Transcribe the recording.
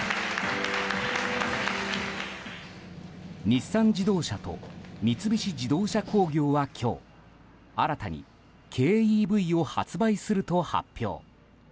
日産自動車と三菱自動車工業は今日新たに軽ＥＶを発売すると発表。